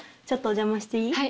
ちょっとお邪魔していい？